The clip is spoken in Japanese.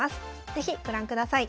是非ご覧ください。